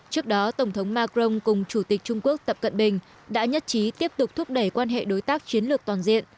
trước đó tổng thống macron cùng chủ tịch trung quốc tập cận bình đã nhất trí tiếp tục thúc đẩy quan hệ đối tác chiến lược toàn diện